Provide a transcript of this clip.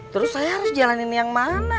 terus saya harus jalanin yang mana